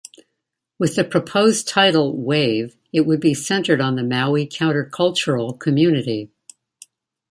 With the proposed title "Wave", it would be centered on the Maui countercultural community.